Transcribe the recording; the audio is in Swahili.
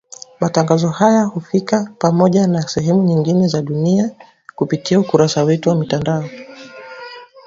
Matangazo haya hufika pamoja na sehemu nyingine za dunia kupitia ukurasa wetu wa mtandao.